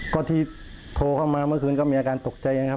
ก็ที่โทรเข้ามาเมื่อคืนก็มีอาการตกใจนะครับ